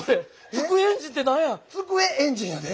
机・エンジンやで？